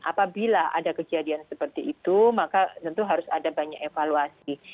apabila ada kejadian seperti itu maka tentu harus ada banyak evaluasi